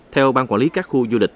theo ban quản lý các khu du lịch